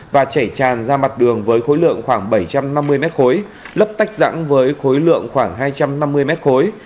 và chảy tràn ra mặt đường với khối lượng khoảng bảy trăm năm mươi m khối lấp tách rãng với khối lượng khoảng hai trăm năm mươi m khối